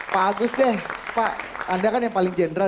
pak agus deh pak anda kan yang paling general